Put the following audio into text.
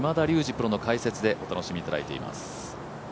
プロの解説でお楽しみいただいています。